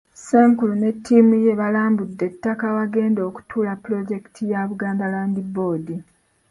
Ssenkulu ne ttiimu ye baalambudde ettaka awagenda okutuula pulojekiti ya Buganda Land Board.